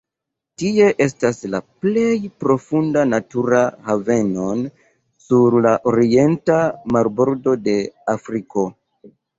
Tie estas la plej profunda natura haveno sur la orienta marbordo de Afriko.